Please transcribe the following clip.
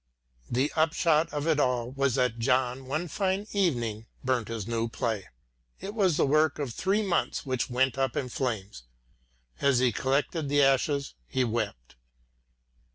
The upshot of it all was that Julm, one fine evening, burnt his new play. It was the work of three months which went up in flames. As he collected the ashes, he wept.